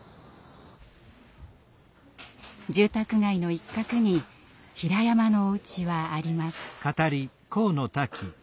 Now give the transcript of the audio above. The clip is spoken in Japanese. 住宅街の一角にひらやまのお家はあります。